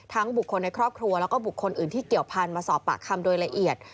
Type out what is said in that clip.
บุคคลในครอบครัวแล้วก็บุคคลอื่นที่เกี่ยวพันธุ์มาสอบปากคำโดยละเอียด